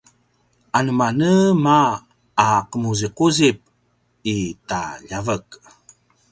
anemanema a qemuziquzip i ta ljavek?